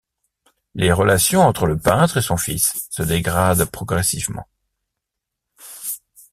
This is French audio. Les relations entre le peintre et son fils se dégradent progressivement.